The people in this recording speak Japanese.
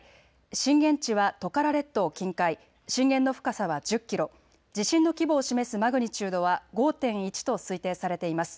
震源地はトカラ列島近海、震源の深さは１０キロ、地震の規模を示すマグニチュードは５．１と推定されています。